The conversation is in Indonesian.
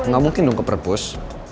gak mungkin dong ke perpus